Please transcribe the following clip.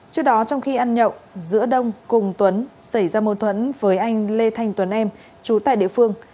trước đó trong khi ăn nhậu giữa đông cùng tuấn xảy ra mâu thuẫn với anh lê thanh tuấn em chú tại địa phương